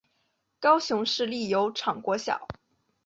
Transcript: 高雄市立油厂国小